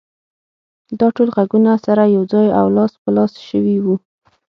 دا ټول غږونه سره يو ځای او لاس په لاس شوي وو.